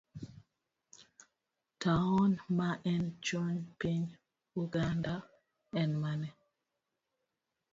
taon ma en chuny piny Uganda en mane?